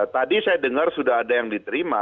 tadi saya dengar sudah ada yang diterima